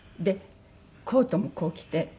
コートもこう着て。